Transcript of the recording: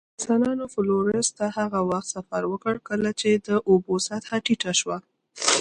انسانانو فلورس ته هغه وخت سفر وکړ، کله چې د اوبو سطحه ټیټه شوه.